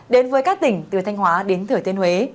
đến với các tỉnh từ thanh hóa đến thửa tiên huế